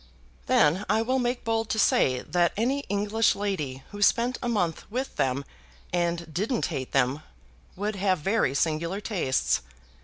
"Then I will make bold to say that any English lady who spent a month with them and didn't hate them would have very singular tastes.